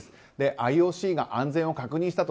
ＩＯＣが安全を確認したと